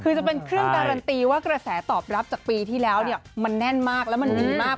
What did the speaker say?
คือจะเป็นเครื่องการันตีว่ากระแสตอบรับจากปีที่แล้วเนี่ยมันแน่นมากแล้วมันดีมาก